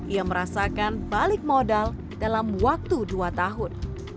ia merasakan balik modal dalam waktu dua tahun